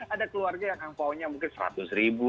ada keluarga yang angpaonya mungkin seratus ribu